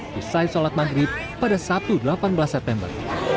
selesai sholat maghrib pada sabtu delapan belas september